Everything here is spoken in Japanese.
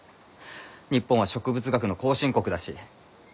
日本は植物学の後進国だし。